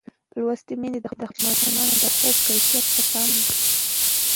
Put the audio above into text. لوستې میندې د ماشومانو د خوب کیفیت ته پام کوي.